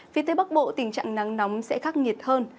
phía tây bắc bộ tình trạng nắng nóng sẽ khắc nghiệt hơn